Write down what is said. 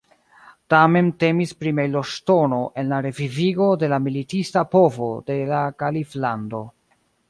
Tamen temis pri mejloŝtono en la revivigo de la militista povo de la kaliflando.